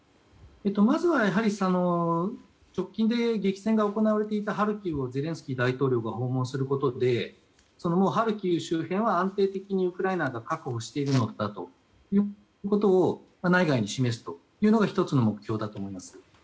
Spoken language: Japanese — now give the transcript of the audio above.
まずは、直近で激戦が行われていたハルキウをゼレンスキー大統領が訪問することでハルキウ周辺は安定的にウクライナが確保しているのだということを内外に示すというのが１つの目標だと思います。